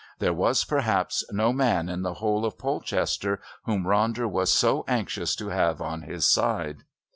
There was, perhaps, no man in the whole of Polchester whom Ronder was so anxious to have on his side.